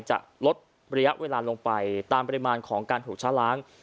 จะลดระยะเวลาลงไปตามปริมาณของการถูกชะล้าง